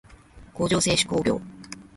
工場制手工業